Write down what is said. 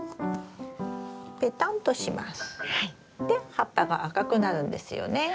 で葉っぱが赤くなるんですよね。